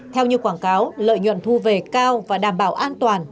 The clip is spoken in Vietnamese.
theo như quảng cáo lợi nhuận thu về cao và đảm bảo an toàn